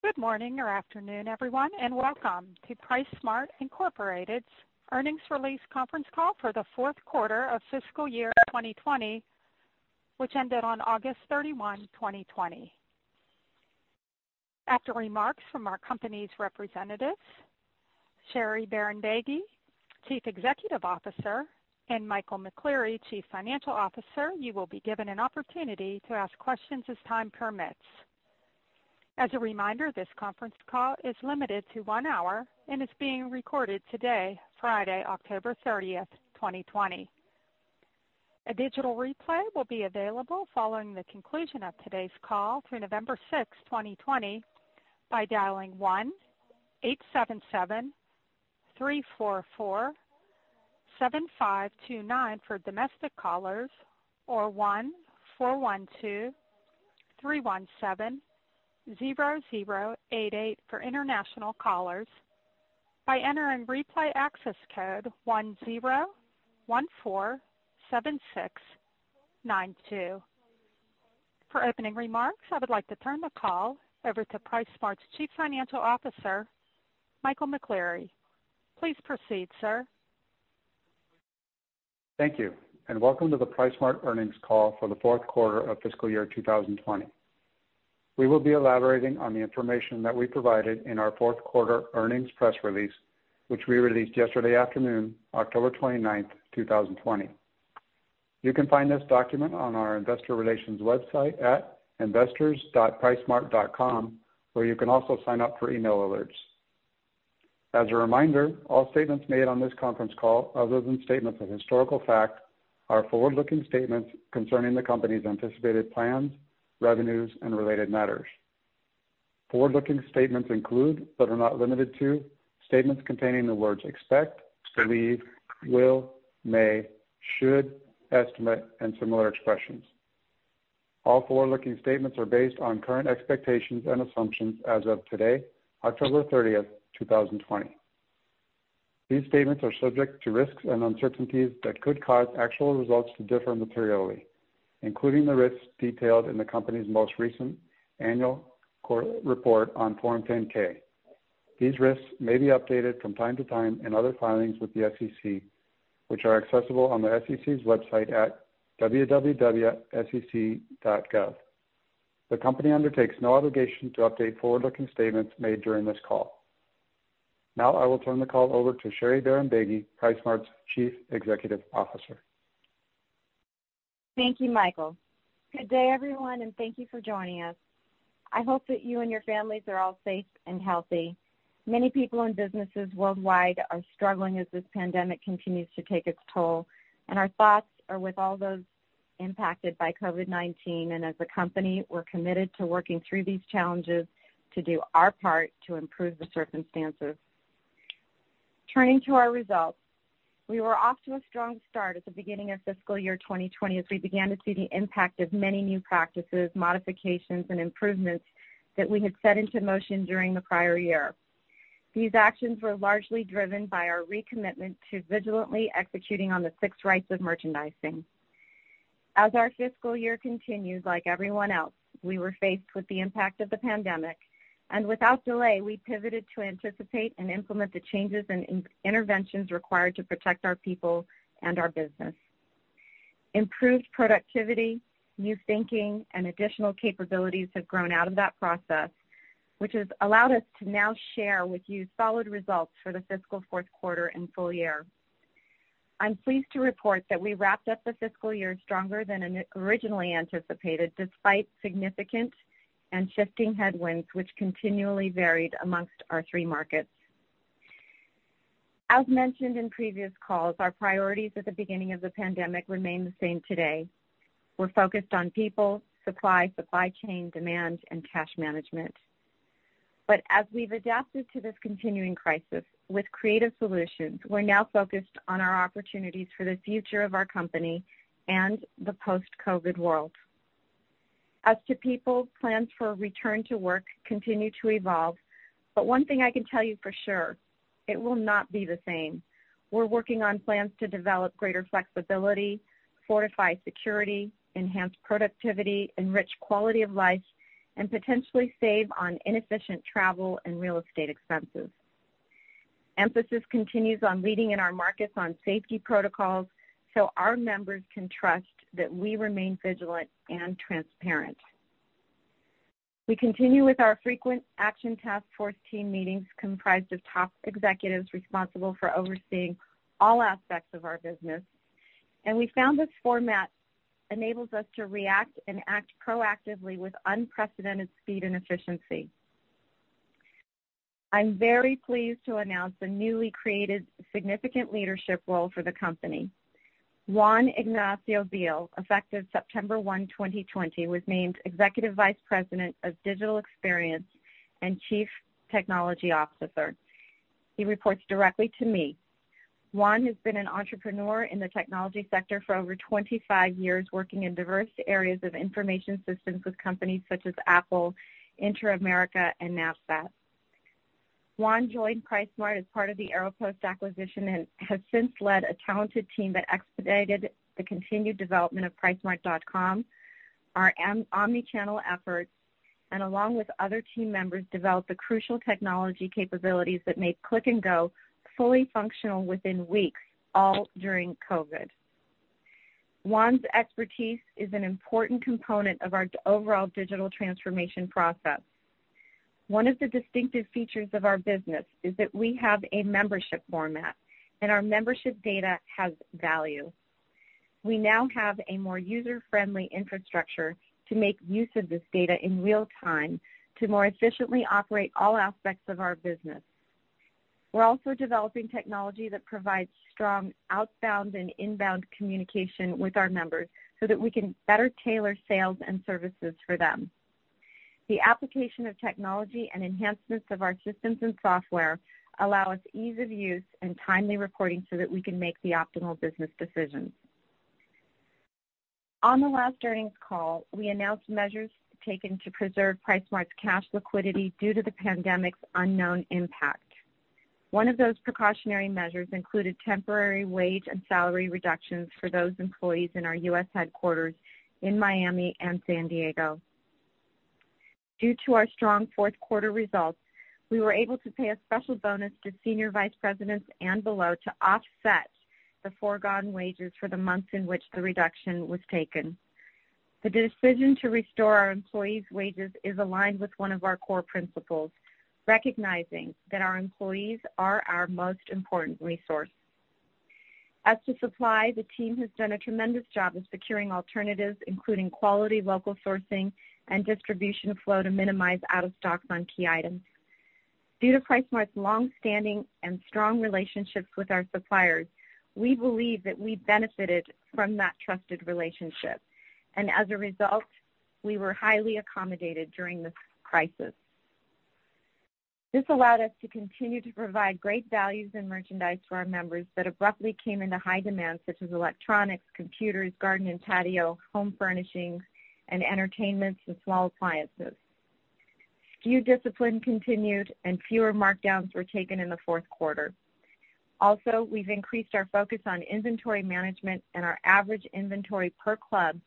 Good morning or afternoon, everyone, and Welcome to PriceSmart Incorporated's Earnings Release Conference Call for the Fourth Quarter of Fiscal Year 2020, which ended on August 31, 2020. After remarks from our company's representatives, Sherry Bahrambeygui, Chief Executive Officer, and Michael McCleary, Chief Financial Officer, you will be given an opportunity to ask questions as time permits. As a reminder, this conference call is limited to one hour and is being recorded today, Friday, October 30, 2020. A digital replay will be available following the conclusion of today's call through November 6, 2020, by dialing 1-887-344-7529 for domestic callers or 1-412-317-0088 for international callers by entering replay access code 10147692. For opening remarks, I would like to turn the call over to PriceSmart's Chief Financial Officer, Michael McCleary. Please proceed, sir. Thank you, and welcome to the PriceSmart earnings call for the fourth quarter of fiscal year 2020. We will be elaborating on the information that we provided in our fourth quarter earnings press release, which we released yesterday afternoon, October 29th, 2020. You can find this document on our investor relations website at investors.pricesmart.com, where you can also sign up for email alerts. As a reminder, all statements made on this conference call, other than statements of historical fact, are forward-looking statements concerning the company's anticipated plans, revenues, and related matters. Forward-looking statements include, but are not limited to statements containing the words expect, believe, will, may, should, estimate, and similar expressions. All forward-looking statements are based on current expectations and assumptions as of today, October 30th, 2020. These statements are subject to risks and uncertainties that could cause actual results to differ materially, including the risks detailed in the company's most recent annual report on Form 10-K. These risks may be updated from time to time in other filings with the SEC, which are accessible on the SEC's website at www.sec.gov. The company undertakes no obligation to update forward-looking statements made during this call. I will turn the call over to Sherry Bahrambeygui, PriceSmart's Chief Executive Officer. Thank you, Michael. Good day, everyone, and thank you for joining us. I hope that you and your families are all safe and healthy. Many people and businesses worldwide are struggling as this pandemic continues to take its toll. Our thoughts are with all those impacted by COVID-19. As a company, we're committed to working through these challenges to do our part to improve the circumstances. Turning to our results, we were off to a strong start at the beginning of fiscal year 2020 as we began to see the impact of many new practices, modifications, and improvements that we had set into motion during the prior year. These actions were largely driven by our recommitment to vigilantly executing on the six rights of merchandising. As our fiscal year continued, like everyone else, we were faced with the impact of the pandemic, and without delay, we pivoted to anticipate and implement the changes and interventions required to protect our people and our business. Improved productivity, new thinking, and additional capabilities have grown out of that process, which has allowed us to now share with you solid results for the fiscal fourth quarter and full year. I'm pleased to report that we wrapped up the fiscal year stronger than originally anticipated, despite significant and shifting headwinds which continually varied amongst our three markets. As mentioned in previous calls, our priorities at the beginning of the pandemic remain the same today. We're focused on people, supply chain, demand, and cash management. As we've adapted to this continuing crisis with creative solutions, we're now focused on our opportunities for the future of our company and the post-COVID-19 world. As to people, plans for return to work continue to evolve, but one thing I can tell you for sure, it will not be the same. We're working on plans to develop greater flexibility, fortify security, enhance productivity, enrich quality of life, and potentially save on inefficient travel and real estate expenses. Emphasis continues on leading in our markets on safety protocols so our members can trust that we remain vigilant and transparent. We continue with our frequent action task force team meetings comprised of top executives responsible for overseeing all aspects of our business, and we found this format enables us to react and act proactively with unprecedented speed and efficiency. I'm very pleased to announce a newly created significant leadership role for the company. Juan Ignacio Biehl, effective September 1, 2020, was named Executive Vice President of Digital Experience and Chief Technology Officer. He reports directly to me. Juan has been an entrepreneur in the technology sector for over 25 years, working in diverse areas of information systems with companies such as Apple, Inter-America, and NAVSAT. Juan joined PriceSmart as part of the Aeropost acquisition and has since led a talented team that expedited the continued development of pricesmart.com, our omni-channel efforts, and along with other team members, developed the crucial technology capabilities that made Click and Go fully functional within weeks, all during COVID. Juan's expertise is an important component of our overall digital transformation process. One of the distinctive features of our business is that we have a membership format, and our membership data has value. We now have a more user-friendly infrastructure to make use of this data in real time to more efficiently operate all aspects of our business. We're also developing technology that provides strong outbound and inbound communication with our members so that we can better tailor sales and services for them. The application of technology and enhancements of our systems and software allow us ease of use and timely reporting so that we can make the optimal business decisions. On the last earnings call, we announced measures taken to preserve PriceSmart's cash liquidity due to the pandemic's unknown impact. One of those precautionary measures included temporary wage and salary reductions for those employees in our U.S. headquarters in Miami and San Diego. Due to our strong fourth quarter results, we were able to pay a special bonus to senior vice presidents and below to offset the foregone wages for the months in which the reduction was taken. The decision to restore our employees' wages is aligned with one of our core principles, recognizing that our employees are our most important resource. As to supply, the team has done a tremendous job of securing alternatives, including quality local sourcing and distribution flow to minimize out of stocks on key items. Due to PriceSmart's longstanding and strong relationships with our suppliers, we believe that we benefited from that trusted relationship, and as a result, we were highly accommodated during this crisis. This allowed us to continue to provide great values and merchandise to our members that abruptly came into high demand, such as electronics, computers, garden and patio, home furnishings, and entertainment to small appliances. SKU discipline continued. Fewer markdowns were taken in the fourth quarter. We've increased our focus on inventory management, and our average inventory per club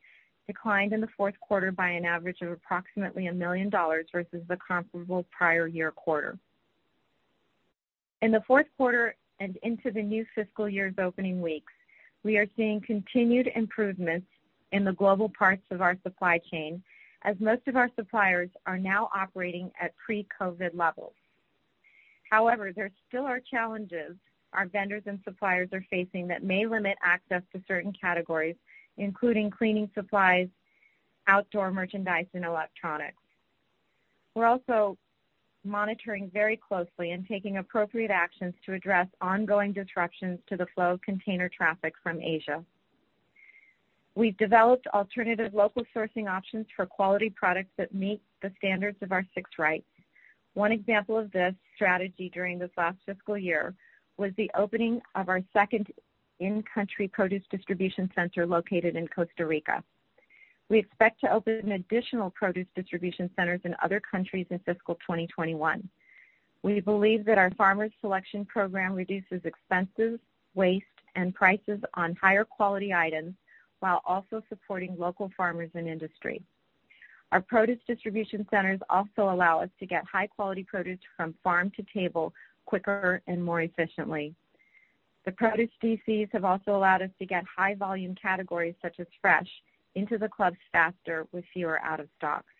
declined in the fourth quarter by an average of approximately $1 million versus the comparable prior year quarter. In the fourth quarter and into the new fiscal year's opening weeks, we are seeing continued improvements in the global parts of our supply chain as most of our suppliers are now operating at pre-COVID-19 levels. There still are challenges our vendors and suppliers are facing that may limit access to certain categories, including cleaning supplies, outdoor merchandise, and electronics. We're also monitoring very closely and taking appropriate actions to address ongoing disruptions to the flow of container traffic from Asia. We've developed alternative local sourcing options for quality products that meet the standards of our six rights. One example of this strategy during this last fiscal year was the opening of our second in-country produce distribution center located in Costa Rica. We expect to open additional produce distribution centers in other countries in fiscal 2021. We believe that our farmer selection program reduces expenses, waste, and prices on higher quality items while also supporting local farmers and industry. Our produce distribution centers also allow us to get high-quality produce from farm to table quicker and more efficiently. The produce DCs have also allowed us to get high volume categories such as fresh into the clubs faster with fewer out of stocks.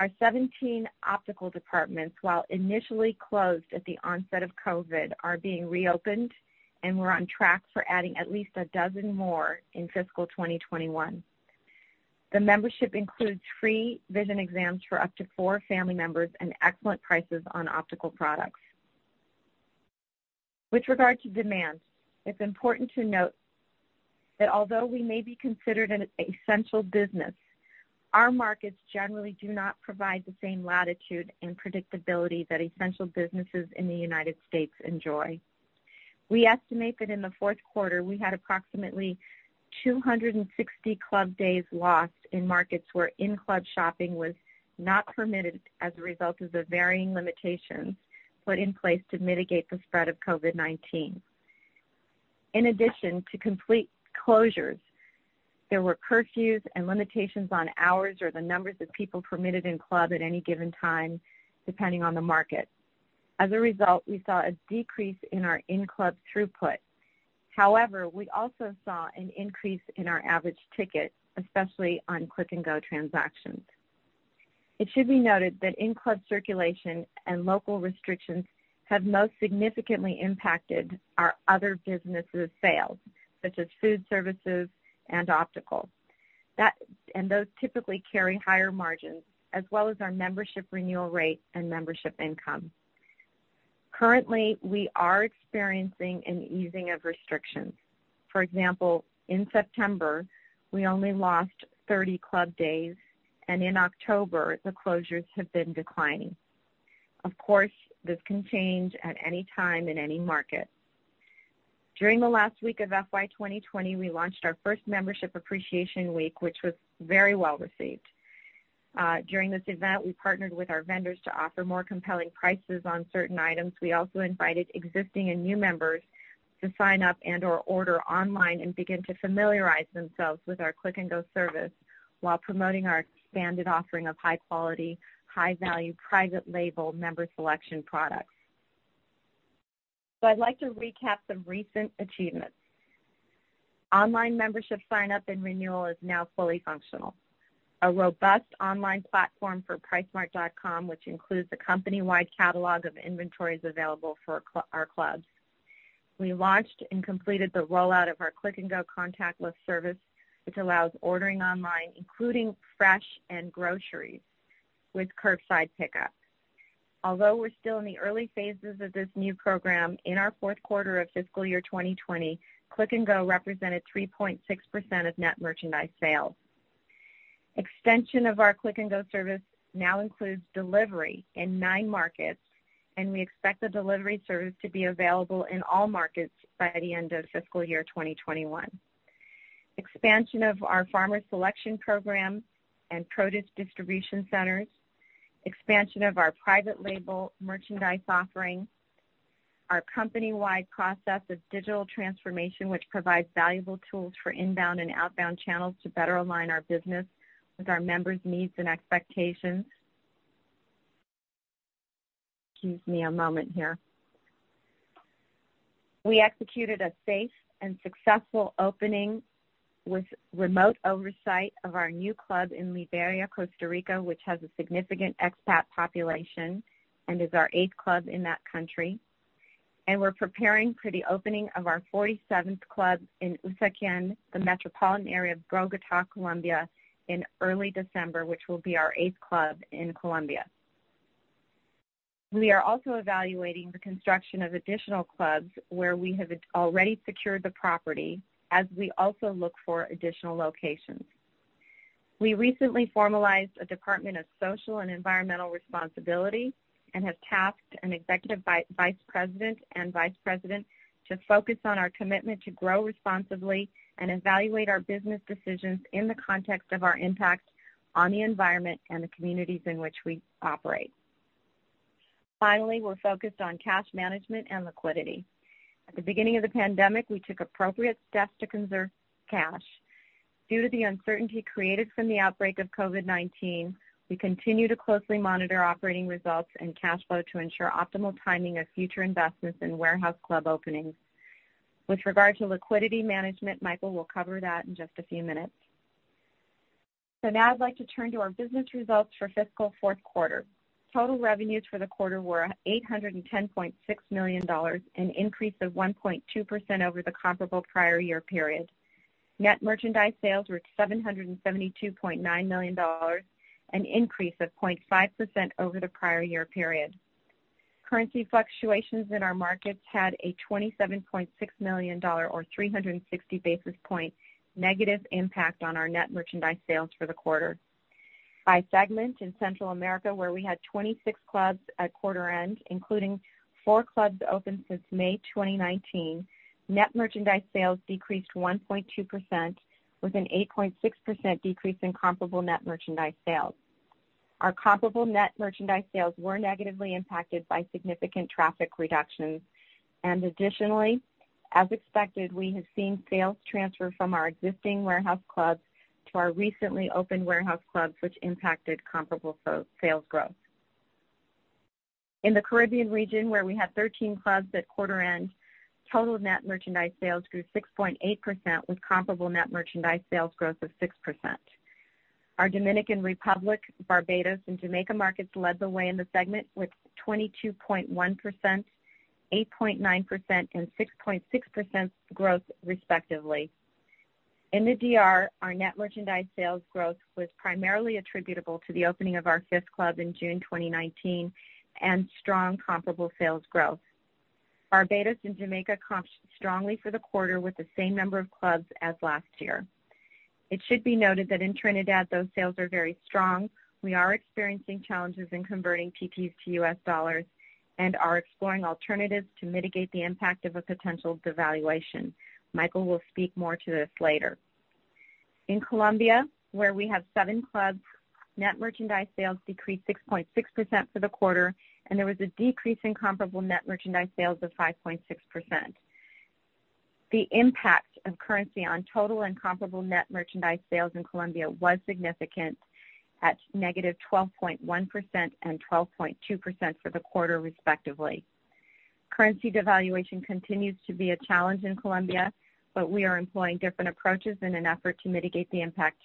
Our 17 optical departments, while initially closed at the onset of COVID-19, are being reopened, and we're on track for adding at least dozen more in fiscal 2021. The membership includes free vision exams for up to four family members and excellent prices on optical products. With regard to demand, it's important to note that although we may be considered an essential business, our markets generally do not provide the same latitude and predictability that essential businesses in the United States enjoy. We estimate that in the fourth quarter, we had approximately 260 club days lost in markets where in-club shopping was not permitted as a result of the varying limitations put in place to mitigate the spread of COVID-19. In addition to complete closures, there were curfews and limitations on hours or the numbers of people permitted in club at any given time, depending on the market. As a result, we saw a decrease in our in-club throughput. However, we also saw an increase in our average ticket, especially on Click and Go transactions. It should be noted that in-club circulation and local restrictions have most significantly impacted our other businesses' sales, such as food services and optical. Those typically carry higher margins, as well as our membership renewal rate and membership income. Currently, we are experiencing an easing of restrictions. For example, in September, we only lost 30 club days, and in October, the closures have been declining. Of course, this can change at any time in any market. During the last week of FY 2020, we launched our first membership appreciation week, which was very well received. During this event, we partnered with our vendors to offer more compelling prices on certain items. We also invited existing and new members to sign up and/or order online and begin to familiarize themselves with our Click and Go service while promoting our expanded offering of high quality, high value, private label Member's Selection products. I'd like to recap some recent achievements. Online membership sign up and renewal is now fully functional. A robust online platform for pricesmart.com, which includes the company-wide catalog of inventories available for our clubs. We launched and completed the rollout of our Click and Go contactless service, which allows ordering online, including fresh and groceries, with curbside pickup. Although we're still in the early phases of this new program, in our fourth quarter of fiscal year 2020, Click and Go represented 3.6% of net merchandise sales. Extension of our Click and Go service now includes delivery in nine markets. We expect the delivery service to be available in all markets by the end of fiscal year 2021. Expansion of our Member's Selection program and produce distribution centers. Expansion of our private label merchandise offerings. Our company-wide process of digital transformation, which provides valuable tools for inbound and outbound channels to better align our business with our members' needs and expectations. Excuse me a moment here. We executed a safe and successful opening with remote oversight of our new club in Liberia, Costa Rica, which has a significant expat population and is our eighth club in that country. We're preparing for the opening of our 47th club in Usaquén, the metropolitan area of Bogotá, Colombia, in early December, which will be our eighth club in Colombia. We are also evaluating the construction of additional clubs where we have already secured the property as we also look for additional locations. We recently formalized a Department of Social and Environmental Responsibility and have tasked an executive vice president and vice president to focus on our commitment to grow responsibly and evaluate our business decisions in the context of our impact on the environment and the communities in which we operate. Finally, we're focused on cash management and liquidity. At the beginning of the pandemic, we took appropriate steps to conserve cash. Due to the uncertainty created from the outbreak of COVID-19, we continue to closely monitor operating results and cash flow to ensure optimal timing of future investments in warehouse club openings. With regard to liquidity management, Michael will cover that in just a few minutes. Now I'd like to turn to our business results for fiscal fourth quarter. Total revenues for the quarter were $810.6 million, an increase of 1.2% over the comparable prior year period. Net merchandise sales were $772.9 million, an increase of 0.5% over the prior year period. Currency fluctuations in our markets had a $27.6 million or 360 basis point negative impact on our net merchandise sales for the quarter. By segment in Central America, where we had 26 clubs at quarter end, including four clubs opened since May 2019, net merchandise sales decreased 1.2%, with an 8.6% decrease in comparable net merchandise sales. Our comparable net merchandise sales were negatively impacted by significant traffic reductions, additionally, as expected, we have seen sales transfer from our existing warehouse clubs to our recently opened warehouse clubs, which impacted comparable sales growth. In the Caribbean region, where we had 13 clubs at quarter end, total net merchandise sales grew 6.8%, with comparable net merchandise sales growth of 6%. Our Dominican Republic, Barbados, and Jamaica markets led the way in the segment with 22.1%, 8.9%, and 6.6% growth, respectively. In the DR, our net merchandise sales growth was primarily attributable to the opening of our fifth club in June 2019 and strong comparable sales growth. Barbados and Jamaica comped strongly for the quarter with the same number of clubs as last year. It should be noted that in Trinidad, those sales are very strong. We are experiencing challenges in converting TTD to U.S dollars and are exploring alternatives to mitigate the impact of a potential devaluation. Michael will speak more to this later. In Colombia, where we have seven clubs, net merchandise sales decreased 6.6% for the quarter, and there was a decrease in comparable net merchandise sales of 5.6%. The impact of currency on total and comparable net merchandise sales in Colombia was significant, at -12.1% and 12.2% for the quarter, respectively. Currency devaluation continues to be a challenge in Colombia, but we are employing different approaches in an effort to mitigate the impact,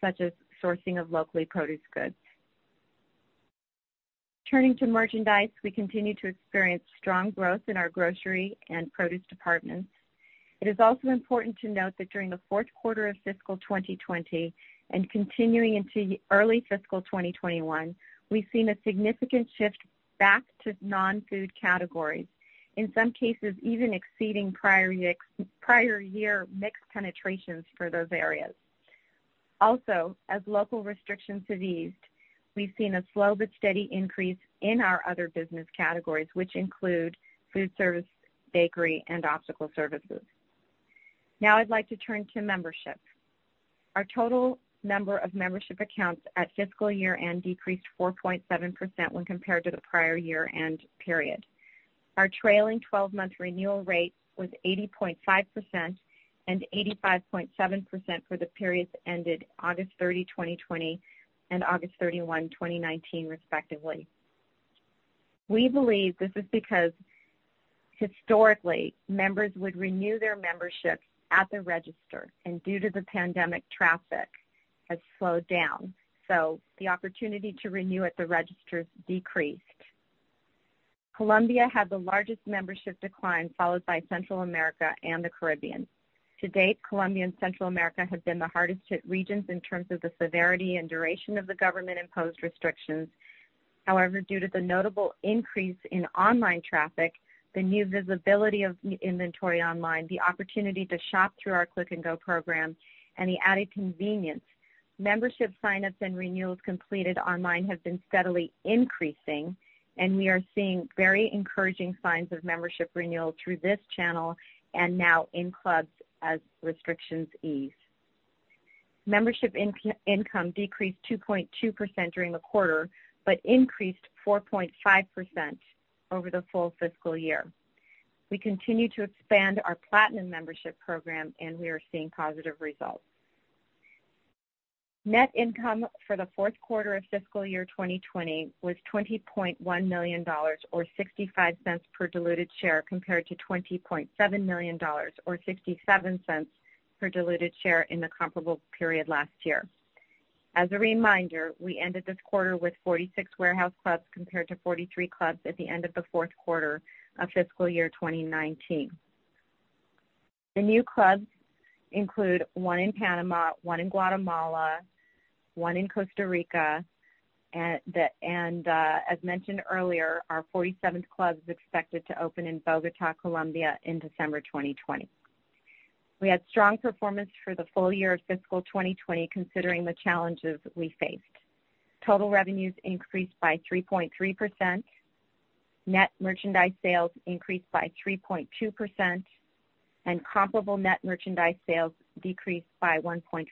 such as sourcing of locally produced goods. Turning to merchandise, we continue to experience strong growth in our grocery and produce departments. It is also important to note that during the fourth quarter of fiscal 2020 and continuing into early fiscal 2021, we've seen a significant shift back to non-food categories, in some cases even exceeding prior year mix penetrations for those areas. Also, as local restrictions have eased, we've seen a slow but steady increase in our other business categories, which include food service, bakery, and optical services. Now I'd like to turn to membership. Our total number of membership accounts at fiscal year-end decreased 4.7% when compared to the prior year-end period. Our trailing 12-month renewal rate was 80.5% and 85.7% for the periods that ended August 30, 2020, and August 31, 2019, respectively. We believe this is because historically, members would renew their memberships at the register, and due to the pandemic, traffic has slowed down, so the opportunity to renew at the registers decreased. Colombia had the largest membership decline, followed by Central America and the Caribbean. To date, Colombia and Central America have been the hardest hit regions in terms of the severity and duration of the government-imposed restrictions. However, due to the notable increase in online traffic, the new visibility of the inventory online, the opportunity to shop through our Click and Go program, and the added convenience, membership signups and renewals completed online have been steadily increasing, and we are seeing very encouraging signs of membership renewal through this channel and now in clubs as restrictions ease. Membership income decreased 2.2% during the quarter but increased 4.5% over the full fiscal year. We continue to expand our Platinum Membership program, and we are seeing positive results. Net income for the fourth quarter of fiscal year 2020 was $20.1 million, or $0.65 per diluted share, compared to $20.7 million or $0.67 per diluted share in the comparable period last year. As a reminder, we ended this quarter with 46 warehouse clubs compared to 43 clubs at the end of the fourth quarter of fiscal year 2019. The new clubs include one in Panama, one in Guatemala, one in Costa Rica, and as mentioned earlier, our 47th club is expected to open in Bogotá, Colombia, in December 2020. We had strong performance for the full year of fiscal 2020, considering the challenges we faced. Total revenues increased by 3.3%, net merchandise sales increased by 3.2%, and comparable net merchandise sales decreased by 1.5%.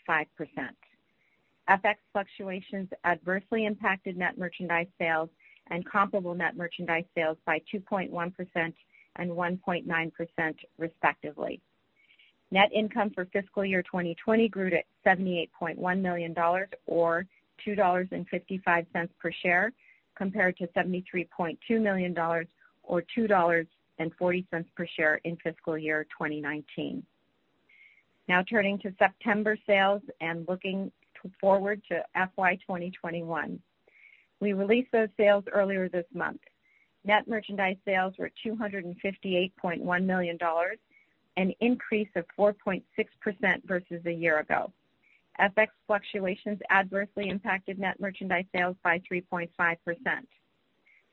FX fluctuations adversely impacted net merchandise sales and comparable net merchandise sales by 2.1% and 1.9%, respectively. Net income for fiscal year 2020 grew to $78.1 million, or $2.55 per share, compared to $73.2 million or $2.40 per share in fiscal year 2019. Turning to September sales and looking forward to FY 2021. We released those sales earlier this month. Net merchandise sales were $258.1 million, an increase of 4.6% versus a year ago. FX fluctuations adversely impacted net merchandise sales by 3.5%.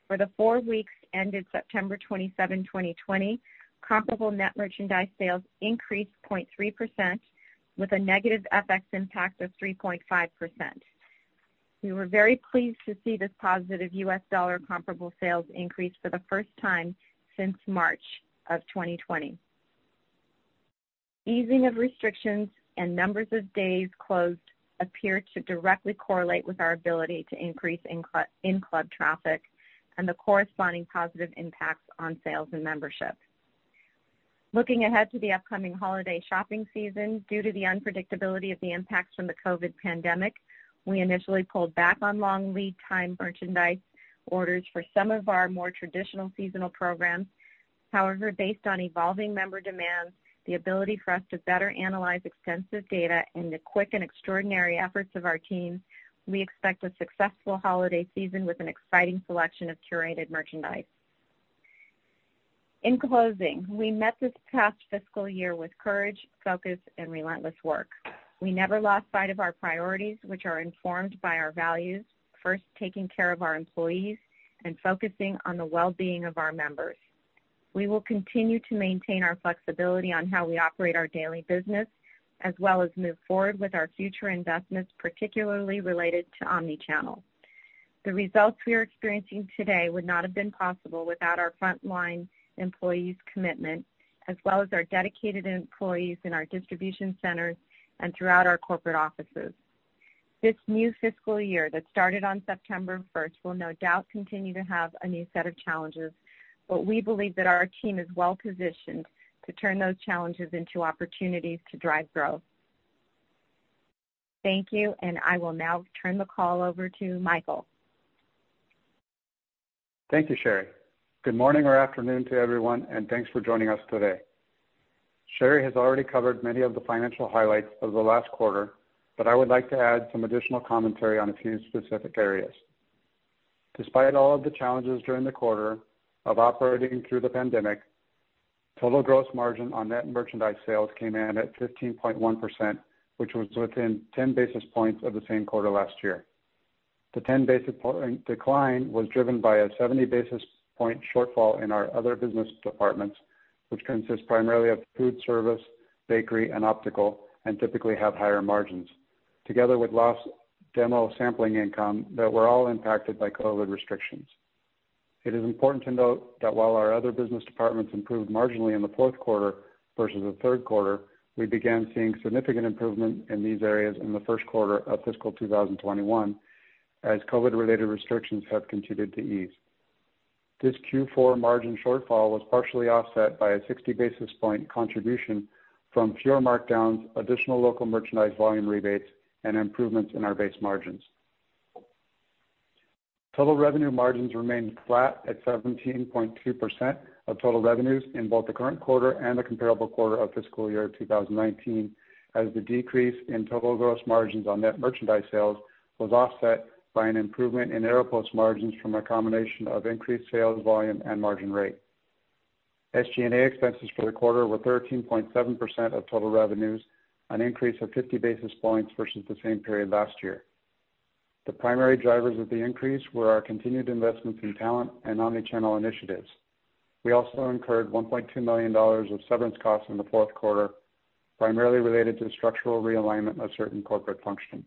For the four weeks ended September 27, 2020, comparable net merchandise sales increased 0.3%, with a negative FX impact of 3.5%. We were very pleased to see this positive U.S dollar comparable sales increase for the first time since March of 2020. Easing of restrictions and numbers of days closed appear to directly correlate with our ability to increase in-club traffic and the corresponding positive impacts on sales and membership. Looking ahead to the upcoming holiday shopping season, due to the unpredictability of the impacts from the COVID-19 pandemic, we initially pulled back on long lead time merchandise orders for some of our more traditional seasonal programs. However, based on evolving member demands, the ability for us to better analyze extensive data, and the quick and extraordinary efforts of our teams, we expect a successful holiday season with an exciting selection of curated merchandise. In closing, we met this past fiscal year with courage, focus, and relentless work. We never lost sight of our priorities, which are informed by our values, first taking care of our employees and focusing on the well-being of our members. We will continue to maintain our flexibility on how we operate our daily business as well as move forward with our future investments, particularly related to omni-channel. The results we are experiencing today would not have been possible without our frontline employees' commitment as well as our dedicated employees in our distribution centers and throughout our corporate offices. This new fiscal year that started on September 1st will no doubt continue to have a new set of challenges, but we believe that our team is well-positioned to turn those challenges into opportunities to drive growth. Thank you, and I will now turn the call over to Michael. Thank you, Sherry. Good morning or afternoon to everyone, and thanks for joining us today. Sherry has already covered many of the financial highlights of the last quarter, but I would like to add some additional commentary on a few specific areas. Despite all of the challenges during the quarter of operating through the pandemic, total gross margin on net merchandise sales came in at 15.1%, which was within 10 basis points of the same quarter last year. The 10 basis point decline was driven by a 70 basis point shortfall in our other business departments, which consists primarily of food service, bakery, and optical, and typically have higher margins, together with lost demo sampling income that were all impacted by COVID restrictions. It is important to note that while our other business departments improved marginally in the fourth quarter versus the third quarter, we began seeing significant improvement in these areas in the first quarter of fiscal 2021, as COVID-related restrictions have continued to ease. This Q4 margin shortfall was partially offset by a 60 basis point contribution from pure markdowns, additional local merchandise volume rebates, and improvements in our base margins. Total revenue margins remained flat at 17.2% of total revenues in both the current quarter and the comparable quarter of fiscal year 2019, as the decrease in total gross margins on net merchandise sales was offset by an improvement in Aeropost margins from a combination of increased sales volume and margin rate. SG&A expenses for the quarter were 13.7% of total revenues, an increase of 50 basis points versus the same period last year. The primary drivers of the increase were our continued investments in talent and omni-channel initiatives. We also incurred $1.2 million of severance costs in the fourth quarter, primarily related to the structural realignment of certain corporate functions.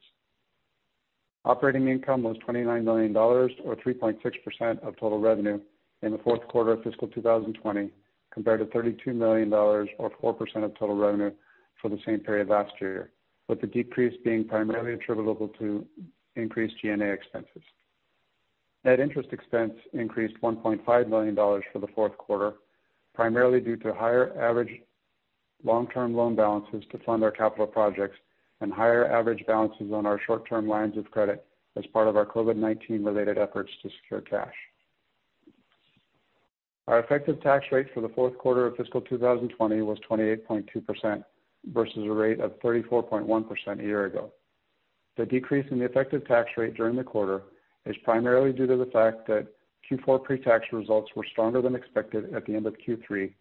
Operating income was $29 million, or 3.6% of total revenue in the fourth quarter of fiscal 2020, compared to $32 million or 4% of total revenue for the same period last year, with the decrease being primarily attributable to increased G&A expenses. Net interest expense increased $1.5 million for the fourth quarter, primarily due to higher average long-term loan balances to fund our capital projects and higher average balances on our short-term lines of credit as part of our COVID-19 related efforts to secure cash. Our effective tax rate for the fourth quarter of fiscal 2020 was 28.2% versus a rate of 34.1% a year ago. The decrease in the effective tax rate during the quarter is primarily due to the fact that Q4 pre-tax results were stronger than expected at the end of Q3,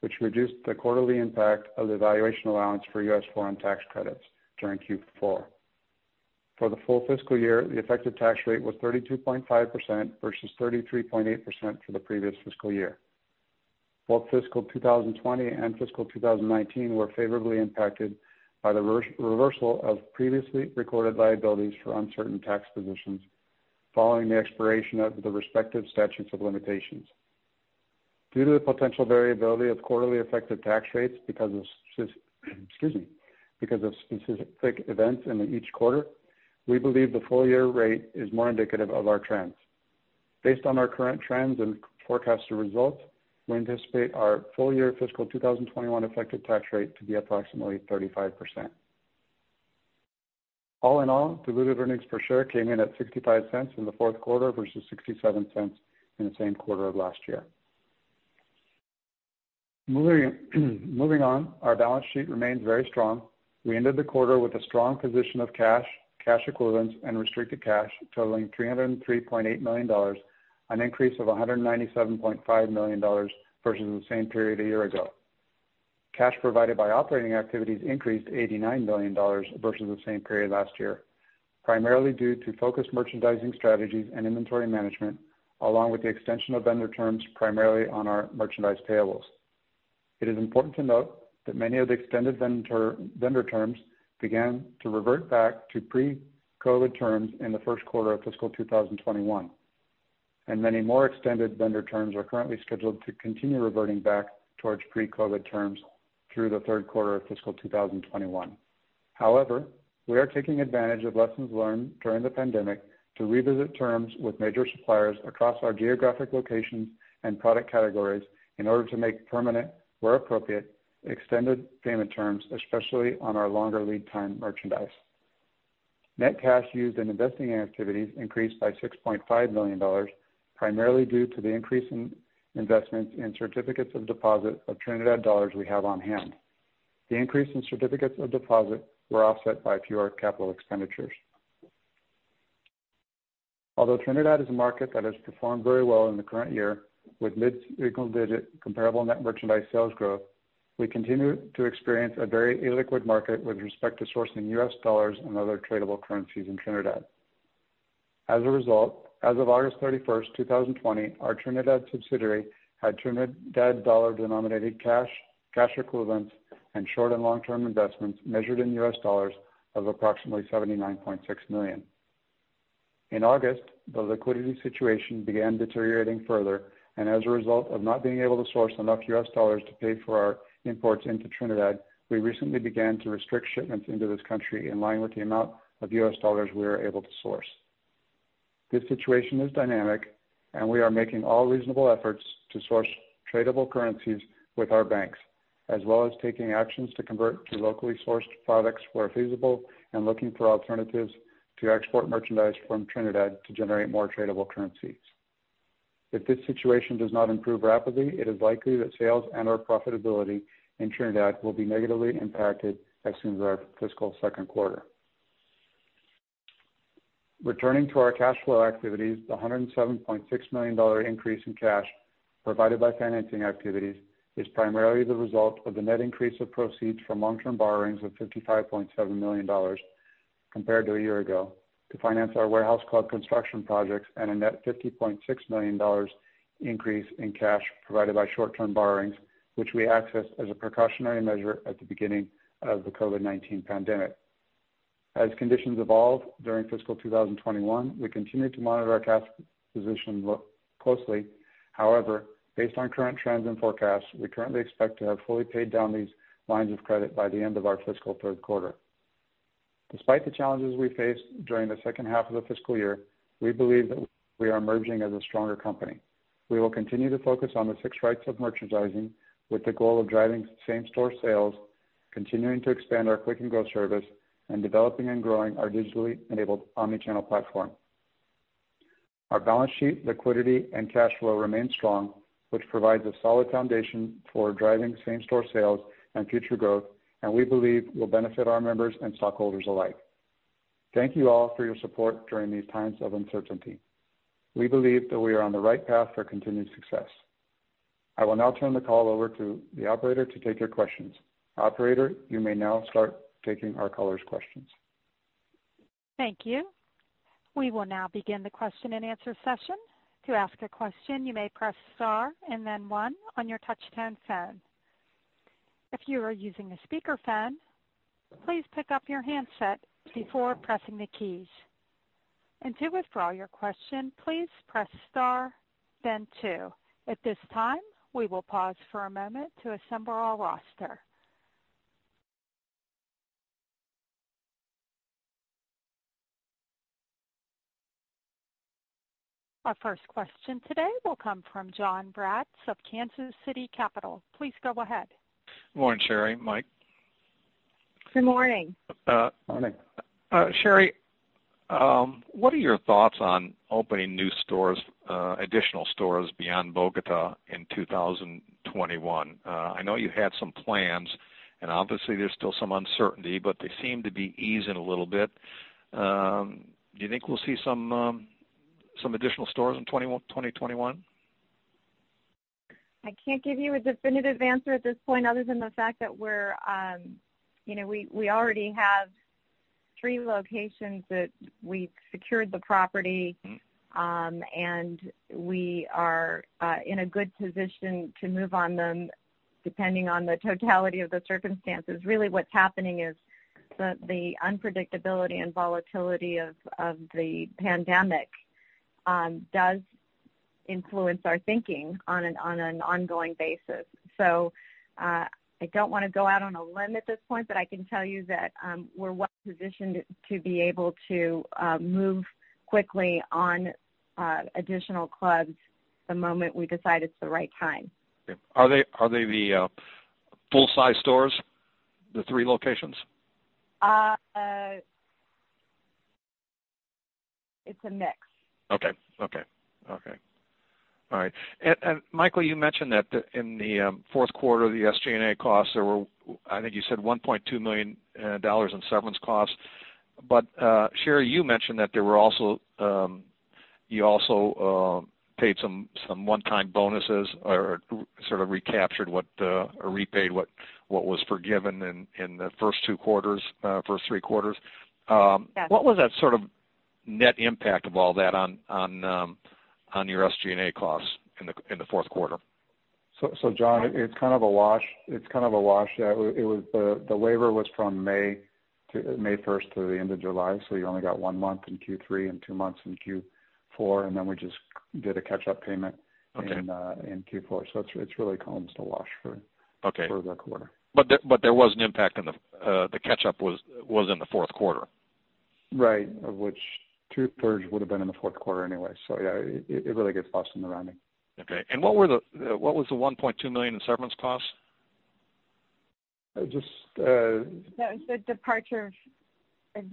which reduced the quarterly impact of the valuation allowance for U.S. foreign tax credits during Q4. For the full fiscal year, the effective tax rate was 32.5% versus 33.8% for the previous fiscal year. Both fiscal 2020 and fiscal 2019 were favorably impacted by the reversal of previously recorded liabilities for uncertain tax positions following the expiration of the respective statutes of limitations. Due to the potential variability of quarterly effective tax rates because of specific events in each quarter, we believe the full-year rate is more indicative of our trends. Based on our current trends and forecasted results, we anticipate our full-year fiscal 2021 effective tax rate to be approximately 35%. All in all, diluted earnings per share came in at $0.65 in the fourth quarter versus $0.67 in the same quarter of last year. Moving on our balance sheet remains very strong. We ended the quarter with a strong position of cash equivalents, and restricted cash totaling $303.8 million, an increase of $197.5 million versus the same period a year ago. Cash provided by operating activities increased to $89 million versus the same period last year, primarily due to focused merchandising strategies and inventory management, along with the extension of vendor terms primarily on our merchandise payables. It is important to note that many of the extended vendor terms began to revert back to pre-COVID terms in the first quarter of fiscal 2021, and many more extended vendor terms are currently scheduled to continue reverting back towards pre-COVID terms through the third quarter of fiscal 2021. However, we are taking advantage of lessons learned during the pandemic to revisit terms with major suppliers across our geographic locations and product categories in order to make permanent, where appropriate, extended payment terms, especially on our longer lead time merchandise. Net cash used in investing activities increased by $6.5 million, primarily due to the increase in investments in certificates of deposit of Trinidad dollars we have on hand. The increase in certificates of deposit were offset by fewer capital expenditures. Although Trinidad is a market that has performed very well in the current year with mid-single-digit comparable net merchandise sales growth, we continue to experience a very illiquid market with respect to sourcing U.S. dollars and other tradable currencies in Trinidad. As a result, as of August 31st, 2020, our Trinidad subsidiary had Trinidad dollars-denominated cash equivalents, and short and long-term investments measured in approximately $79.6 million. In August, the liquidity situation began deteriorating further, and as a result of not being able to source enough U.S dollars to pay for our imports into Trinidad, we recently began to restrict shipments into this country in line with the amount of U.S dollars we were able to source. This situation is dynamic and we are making all reasonable efforts to source tradable currencies with our banks, as well as taking actions to convert to locally sourced products where feasible and looking for alternatives to export merchandise from Trinidad to generate more tradable currencies. If this situation does not improve rapidly, it is likely that sales and/or profitability in Trinidad will be negatively impacted as soon as our fiscal second quarter. Returning to our cash flow activities, the $107.6 million increase in cash provided by financing activities is primarily the result of the net increase of proceeds from long-term borrowings of $55.7 million compared to a year ago to finance our warehouse club construction projects and a net $50.6 million increase in cash provided by short-term borrowings, which we accessed as a precautionary measure at the beginning of the COVID-19 pandemic. As conditions evolve during fiscal 2021, we continue to monitor our cash position closely. Based on current trends and forecasts, we currently expect to have fully paid down these lines of credit by the end of our fiscal third quarter. Despite the challenges we faced during the second half of the fiscal year, we believe that we are emerging as a stronger company. We will continue to focus on the six rights of merchandising with the goal of driving same-store sales, continuing to expand our Click and Go service, and developing and growing our digitally enabled omni-channel platform. Our balance sheet liquidity and cash flow remain strong, which provides a solid foundation for driving same-store sales and future growth, and we believe will benefit our members and stockholders alike. Thank you all for your support during these times of uncertainty. We believe that we are on the right path for continued success. I will now turn the call over to the operator to take your questions. Operator, you may now start taking our callers' questions. Thank you. We will now begin the question and answer session. To ask a question, you may press star and then one on your touchtone phone. If you are using a speakerphone, please pick up your handset before pressing the keys. To withdraw your question, please press star, then two. At this time, we will pause for a moment to assemble our roster. Our first question today will come from Jon Braatz of Kansas City Capital. Please go ahead. Good morning, Sherry, Mike. Good morning. Morning. Sherry, what are your thoughts on opening new stores, additional stores beyond Bogotá in 2021? I know you had some plans, and obviously there's still some uncertainty, but they seem to be easing a little bit. Do you think we'll see some additional stores in 2021? I can't give you a definitive answer at this point other than the fact that we already have three locations that we've secured the property and we are in a good position to move on them, depending on the totality of the circumstances. Really what's happening is the unpredictability and volatility of the pandemic does influence our thinking on an ongoing basis. I don't want to go out on a limb at this point, but I can tell you that we're well positioned to be able to move quickly on additional clubs the moment we decide it's the right time. Okay. Are they the full-size stores, the three locations? It's a mix. Okay. All right. Michael, you mentioned that in the fourth quarter, the SG&A costs, there were, I think you said $1.2 million in severance costs. Sherry, you mentioned that you also paid some one-time bonuses or sort of recaptured what or repaid what was forgiven in the first three quarters. Yes. What was that sort of net impact of all that on your SG&A costs in the fourth quarter? Jon, it's kind of a wash. The waiver was from May 1st to the end of July, so you only got one month in Q3 and two months in Q4, and then we just did a catch-up payment. Okay in Q4. it's really comes to a wash. Okay for that quarter. There was an impact in the catch-up was in the fourth quarter. Right, of which two-thirds would have been in the fourth quarter anyway. Yeah, it really gets lost in the rounding. Okay. What was the $1.2 million in severance costs? That just. The departure of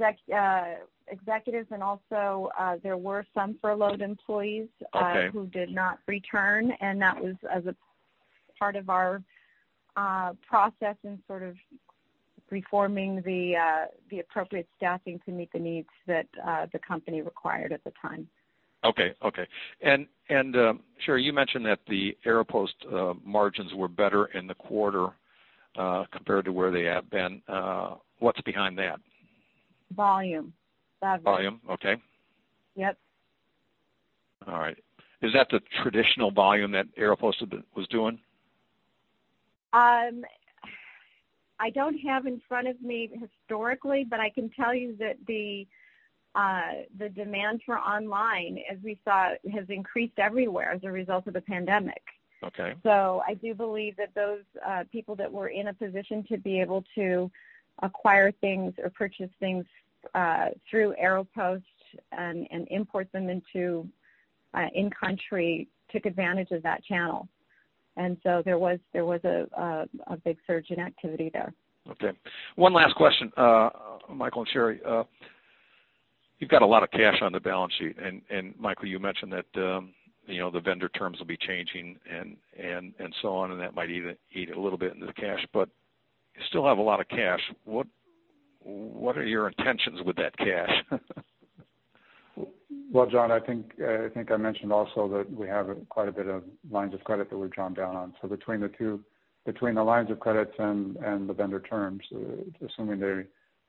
executives and also, there were some furloughed employees. Okay who did not return, and that was as a part of our process in sort of reforming the appropriate staffing to meet the needs that the company required at the time. Okay. Sherry, you mentioned that the Aeropost margins were better in the quarter, compared to where they have been. What's behind that? Volume. Volume. Okay. Yep. All right. Is that the traditional volume that Aeropost was doing? I don't have in front of me historically, but I can tell you that the demand for online, as we saw, has increased everywhere as a result of the pandemic. Okay. I do believe that those people that were in a position to be able to acquire things or purchase things through Aeropost and import them into in country took advantage of that channel. There was a big surge in activity there. One last question, Michael and Sherry. You've got a lot of cash on the balance sheet, and Michael, you mentioned that the vendor terms will be changing and so on, and that might eat a little bit into the cash. You still have a lot of cash. What are your intentions with that cash? Well Jon, I think I mentioned also that we have quite a bit of lines of credit that we've drawn down on. Between the lines of credit and the vendor terms, assuming they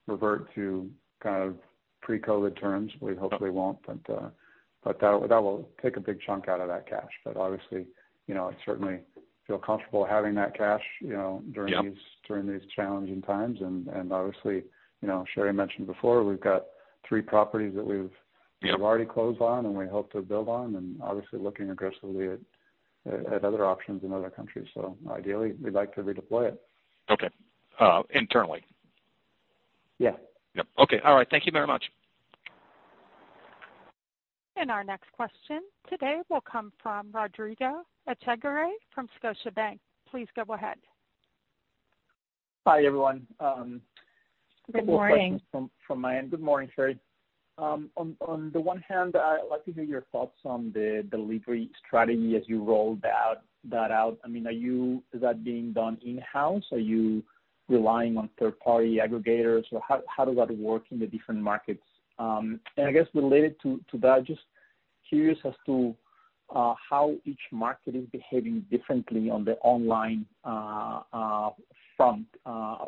revert to kind of pre-COVID-19 terms, we hopefully won't, but that will take a big chunk out of that cash. Obviously, I certainly feel comfortable having that cash during these challenging times. Obviously, Sherry mentioned before, we've got three properties that we've already closed on and we hope to build on, and obviously looking aggressively at other options in other countries. Ideally, we'd like to redeploy it. Okay. Internally. Yeah. Yep. Okay. All right. Thank you very much. Our next question today will come from Rodrigo Echagaray from Scotiabank. Please go ahead. Hi, everyone. Good morning. A couple questions from my end. Good morning, Sherry. On the one hand, I'd like to hear your thoughts on the delivery strategy as you rolled that out. Is that being done in-house? Are you relying on third-party aggregators? How does that work in the different markets? I guess related to that, just curious as to how each market is behaving differently on the online front.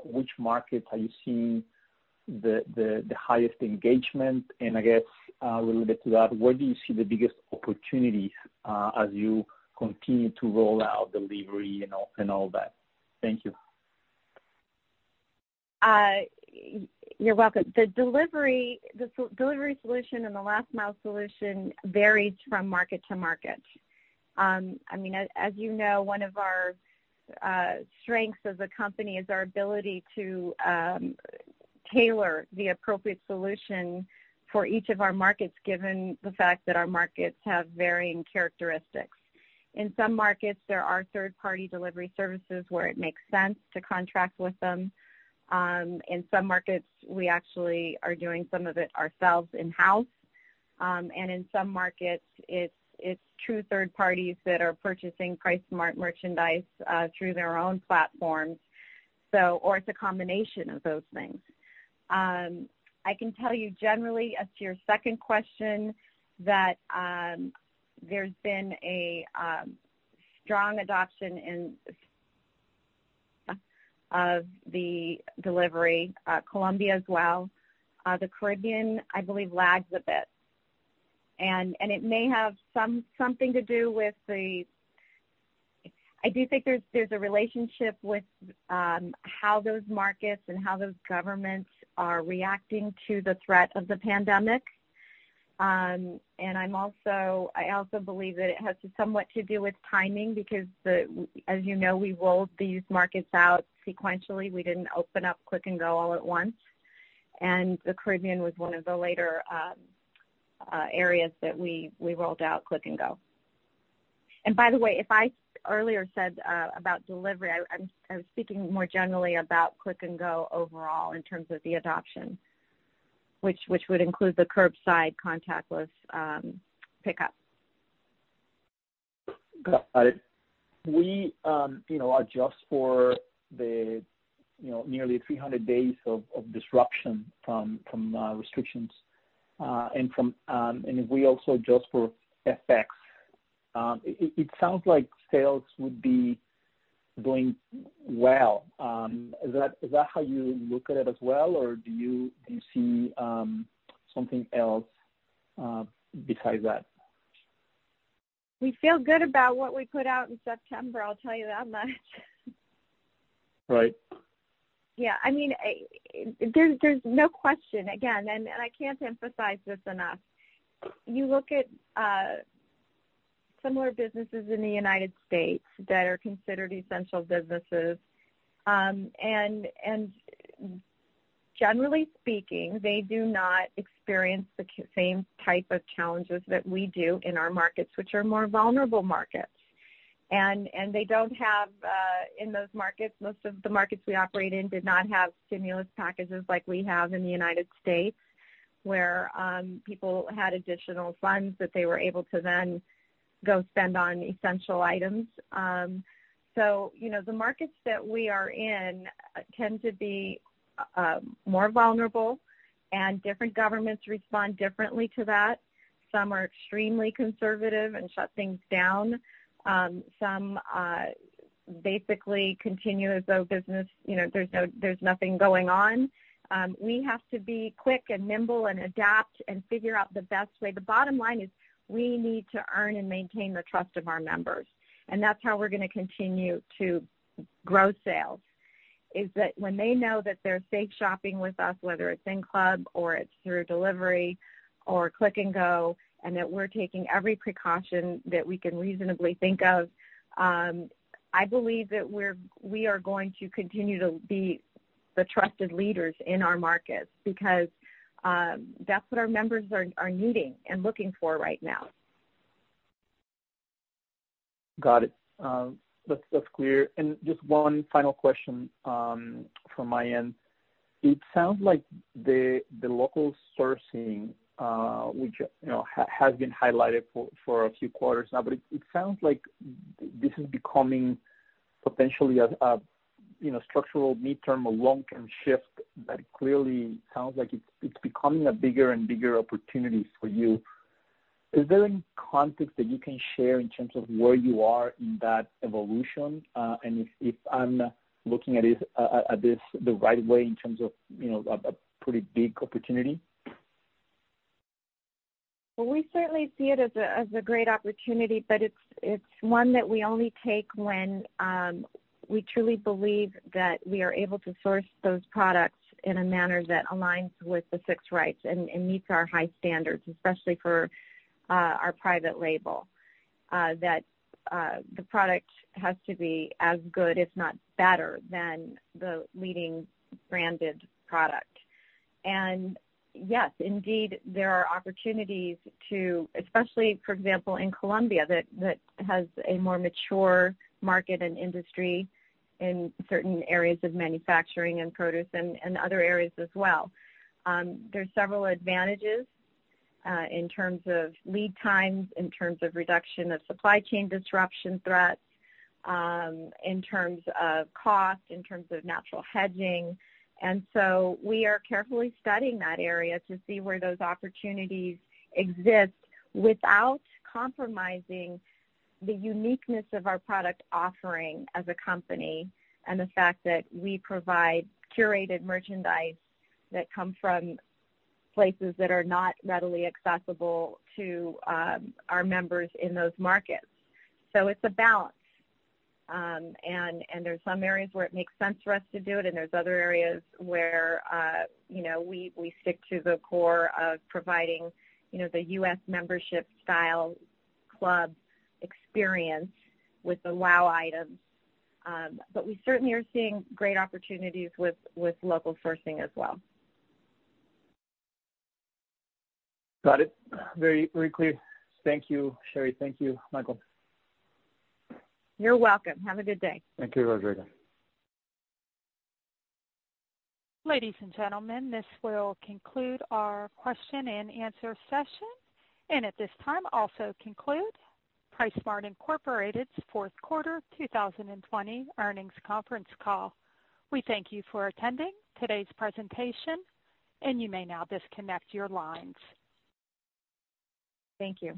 Which market are you seeing the highest engagement? I guess, a little bit to that, where do you see the biggest opportunities, as you continue to roll out delivery and all that? Thank you. You're welcome. The delivery solution and the last mile solution varies from market to market. As you know, one of our strengths as a company is our ability to tailor the appropriate solution for each of our markets, given the fact that our markets have varying characteristics. In some markets, there are third-party delivery services where it makes sense to contract with them. In some markets, we actually are doing some of it ourselves in-house. In some markets, it's true third parties that are purchasing PriceSmart merchandise through their own platforms, or it's a combination of those things. I can tell you generally as to your second question, that there's been a strong adoption in of the delivery, Colombia as well. The Caribbean, I believe, lags a bit. It may have something to do with the relationship with how those markets and how those governments are reacting to the threat of the pandemic. I also believe that it has somewhat to do with timing, because as you know, we rolled these markets out sequentially. We didn't open up Click and Go all at once. The Caribbean was one of the later areas that we rolled out Click and Go. By the way, if I earlier said about delivery, I was speaking more generally about Click and Go overall in terms of the adoption, which would include the curbside contactless pickup. Got it. We adjust for the nearly 300 days of disruption from restrictions. If we also adjust for FX, it sounds like sales would be doing well. Is that how you look at it as well, or do you see something else besides that? We feel good about what we put out in September, I'll tell you that much. Right. Yeah. There's no question, again, I can't emphasize this enough. You look at similar businesses in the United States that are considered essential businesses. Generally speaking, they do not experience the same type of challenges that we do in our markets, which are more vulnerable markets. They don't have, in those markets, most of the markets we operate in did not have stimulus packages like we have in the United States, where people had additional funds that they were able to then go spend on essential items. The markets that we are in tend to be more vulnerable. Different governments respond differently to that. Some are extremely conservative and shut things down. Some basically continue as though business, there's nothing going on. We have to be quick and nimble and adapt and figure out the best way. The bottom line is we need to earn and maintain the trust of our members. That's how we're going to continue to grow sales, is that when they know that they're safe shopping with us, whether it's in club or it's through delivery or Click and Go, and that we're taking every precaution that we can reasonably think of, I believe that we are going to continue to be the trusted leaders in our markets, because that's what our members are needing and looking for right now. Got it. That's clear. Just one final question from my end. It sounds like the local sourcing, which has been highlighted for a few quarters now, but it sounds like this is becoming potentially a structural midterm or long-term shift that clearly sounds like it's becoming a bigger and bigger opportunity for you. Is there any context that you can share in terms of where you are in that evolution? If I'm looking at this the right way in terms of a pretty big opportunity? We certainly see it as a great opportunity, but it's one that we only take when we truly believe that we are able to source those products in a manner that aligns with the six rights and meets our high standards, especially for our private label. That the product has to be as good, if not better, than the leading branded product. Yes, indeed, there are opportunities to, especially, for example, in Colombia, that has a more mature market and industry in certain areas of manufacturing and produce and other areas as well. There's several advantages, in terms of lead times, in terms of reduction of supply chain disruption threats, in terms of cost, in terms of natural hedging. We are carefully studying that area to see where those opportunities exist without compromising the uniqueness of our product offering as a company, and the fact that we provide curated merchandise that come from places that are not readily accessible to our members in those markets. It's a balance. There's some areas where it makes sense for us to do it, and there's other areas where we stick to the core of providing the U.S. membership style club experience with the wow items. We certainly are seeing great opportunities with local sourcing as well. Got it. Very clear. Thank you, Sherry. Thank you, Michael. You're welcome. Have a good day. Thank you, Rodrigo. Ladies and gentlemen, this will conclude our question and answer session, and at this time, also conclude PriceSmart Incorporated's fourth quarter 2020 earnings conference call. We thank you for attending today's presentation, and you may now disconnect your lines. Thank you.